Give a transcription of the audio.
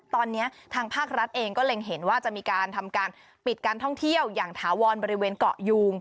ตอนนี้ทางภาครัฐเองก็เล็งเห็นว่าจะมีการทำการปิดการท่องเที่ยวอย่างถาวรบริเวณเกาะยูง